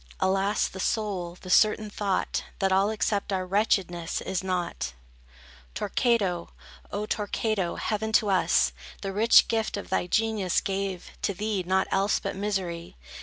Alas, the sole, the certain thought, That all except our wretchedness, is nought. Torquato, O Torquato, heaven to us The rich gift of thy genius gave, to thee Nought else but misery.